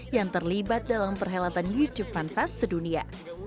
yang terlibat dalam perhelatan youtube fanfest sedunia